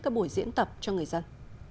các buổi diễn tập cho người dân